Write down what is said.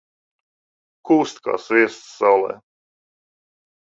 Kūst kā sviests saulē.